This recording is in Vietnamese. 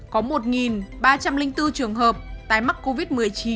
có một ba trăm linh bốn trường hợp tái mắc covid một mươi chín